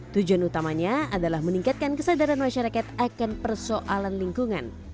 tujuan utamanya adalah meningkatkan kesadaran masyarakat akan persoalan lingkungan